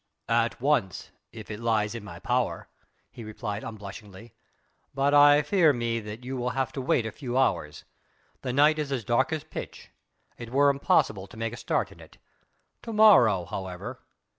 "At once if it lies in my power," he replied unblushingly, "but I fear me that you will have to wait a few hours; the night is as dark as pitch. It were impossible to make a start in it. To morrow, however...."